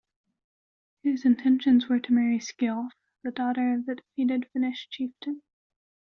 His intentions were to marry "Skjalf", the daughter of the defeated Finnish chieftain.